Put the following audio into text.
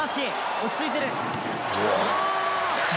落ち着いてる！